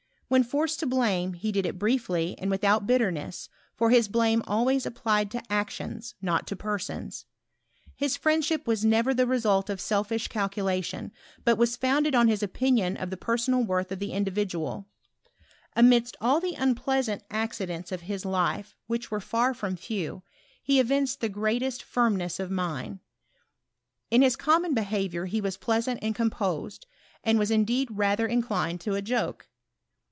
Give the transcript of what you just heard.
When fioorced to blame, he did it briefly, and without bit terness, for his blame always applied to actions,. act to persons. His friendship was never the result of selfish calculation, but was founded on his Ofsnion of the personal worth of the individual* Amidst all the unpleasant accidents of his life^ 198 mnoET or chkmistkt. which were hr from few, be evinced die greatest finnneas of mind. In his common befaarioiir he was pleasant and composed, and was indeed radier in clined to a joke.